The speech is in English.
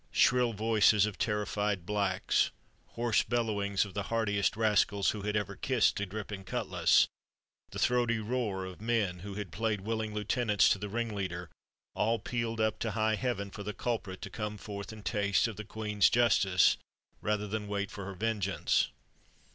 Shrill voices of terrified blacks, hoarse bellowings of the hardiest rascals who had ever kissed a dripping cutlas, the throaty roar of men who had played willing lieutenants to the ringleader: all pealed up to high heaven for the culprit to come forth and taste of the queen's justice rather than wait for her vengeance.